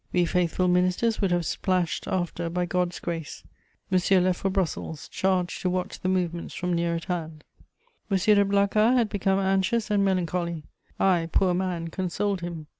We faithful ministers would have splashed after by God's grace. Monsieur left for Brussels, charged to watch the movements from near at hand. M. de Blacas had become anxious and melancholy; I, poor man, consoled him.